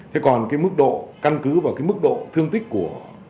thế còn cái mức độ căn cứ và cái mức độ thương tích của